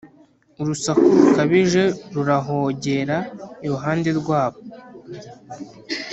urusaku rukabije rurahogera iruhande rwabo,